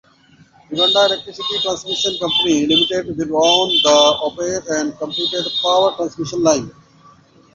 Uganda Electricity Transmission Company Limited will own and operate the completed power transmission line.